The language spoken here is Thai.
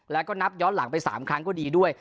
แล้วก็นับย้อนหลังไป๓ครั้งก็ดีด้วย